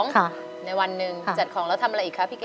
ค่ะในวันหนึ่งจัดของแล้วทำอะไรอีกคะพี่เก๋